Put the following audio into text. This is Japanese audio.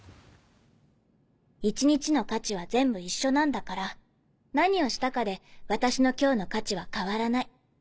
一日の価値は全部一緒なんだから何をしたかで私の今日の価値は変わらない。